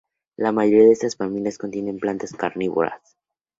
La mayoría de estas familias contienen plantas carnívoras.